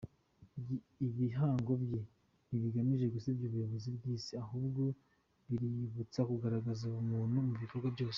Ibihango bye ntibigamije gusebya abayobozi b’Isi; ahubwo biributsa kugaragaza ubumuntu mu bikorwa byose.